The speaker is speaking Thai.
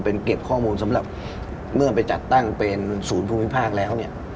เป็นเก็บข้อมูลสำหรับเมื่อไปจัดตั้งเป็นศูนย์ภูมิภาคแล้วเนี่ย